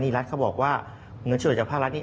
นี่รัฐเขาบอกว่าเงินช่วยเหลือจากภาครัฐนี้